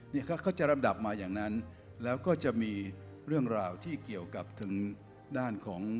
นี่เขาจะลำดับมาอย่างนั้นแล้วก็จะมีเรื่องราวที่เกี่ยวกับถึงด้านของ